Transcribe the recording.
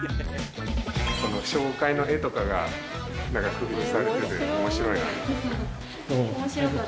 紹介の絵とかが何か工夫されてて面白いなって。